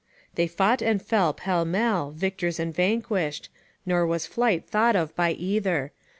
["They fought and fell pell mell, victors and vanquished; nor was flight thought of by either."